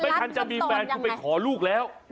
ทันจะมีแฟนคุณไปขอลูกแล้ว